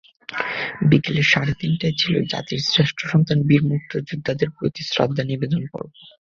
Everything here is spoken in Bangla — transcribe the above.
বিকেল সাড়ে তিনটায় ছিল জাতির শ্রেষ্ঠ সন্তান বীর মুক্তিযোদ্ধাদের প্রতি শ্রদ্ধা নিবেদন পর্ব।